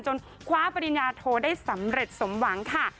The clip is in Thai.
คว้าปริญญาโทได้สำเร็จสมหวังค่ะ